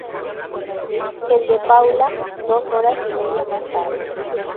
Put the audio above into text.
El de Paula, dos horas y media más tarde.